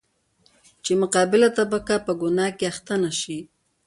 چـې مـقابله طبـقه پـه ګنـاه کـې اخـتـه نـشي.